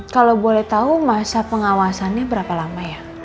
kalau boleh tahu masa pengawasannya berapa lama ya